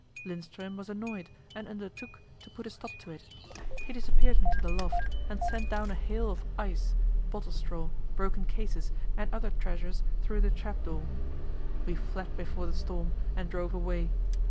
Lindström was annoyed and undertook to put a stop to it. He disappeared into the loft, and sent down a hail of ice, bottle straw, broken cases, and other treasures through the trap door. We fled before the storm and drove away.